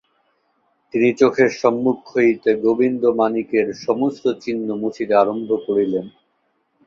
তিনি চোখের সম্মুখ হইতে গোবিন্দমাণিক্যের সমস্ত চিহ্ন মুছিতে আরম্ভ করিলেন।